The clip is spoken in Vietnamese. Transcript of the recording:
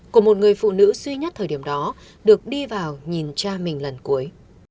của một người phụ nữ duy nhất thời điểm đó được đi vào nhìn cha mình lần cuối